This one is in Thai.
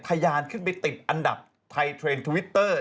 ทยานขึ้นไปติดอันดับไทยเทรนด์ทวิตเตอร์